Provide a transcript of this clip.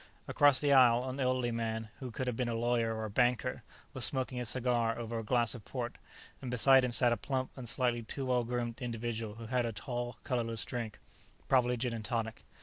Across the aisle, an elderly man, who could have been a lawyer or a banker, was smoking a cigar over a glass of port, and beside him sat a plump and slightly too well groomed individual who had a tall colorless drink, probably gin and tonic.